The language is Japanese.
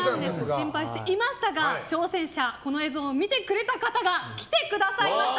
心配していましたが挑戦者、この映像を見てくれた方が来てくださいました。